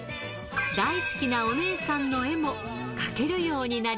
大好きなお姉さんの絵も描けるよ